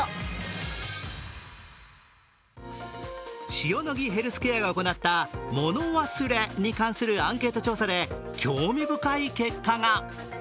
シオノギヘルスケアが行った物忘れに関するアンケート調査で興味深い結果が。